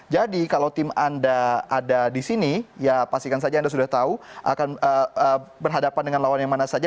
jadi kalau tim anda ada di sini ya pastikan saja anda sudah tahu akan berhadapan dengan lawan yang mana saja